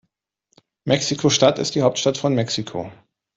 Mexiko-Stadt ist die Hauptstadt von Mexiko.